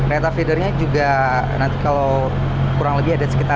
reta feedernya juga nanti kalau kurang lebih ada ceket